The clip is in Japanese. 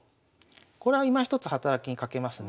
これはいまひとつ働きに欠けますね。